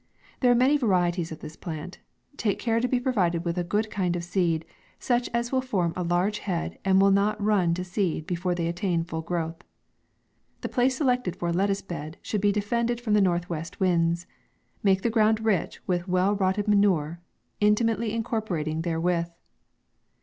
There are many varieties of this plant. Take care to be provided with a good kind of seed ; such as will form a large head, and will not run to seed before they attain full growth. The place selected for a lettuce bed should be defended from the northwest winds. Make the ground rich with well rotted manure, in timately incorporated therewith.